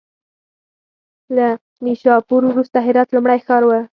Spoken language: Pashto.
له نیشاپور وروسته هرات لومړی ښار و.